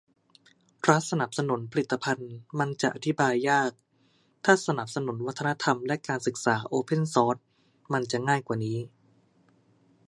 รัฐสนับสนุนผลิตภัณฑ์มันจะอธิบายยาก ถ้าสนับสนุนวัฒนธรรมและการศึกษาโอเพนซอร์สมัยจะง่ายกว่านี้